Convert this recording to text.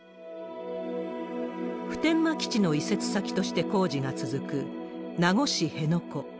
普天間基地の移設先として工事が続く名護市辺野古。